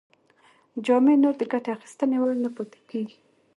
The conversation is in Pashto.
جامې نور د ګټې اخیستنې وړ نه پاتې کیږي.